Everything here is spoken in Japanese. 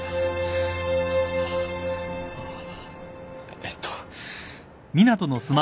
えっと。